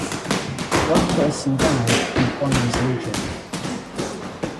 One person died and one was injured.